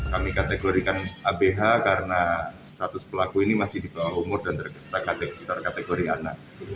kami kategorikan abh karena status pelaku ini masih di bawah umur dan terkategori anak